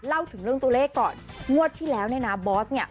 เล่าถึงเรื่องตัวเลขก่อนงวดที่แล้วเนี่ยนะบอสเนี่ย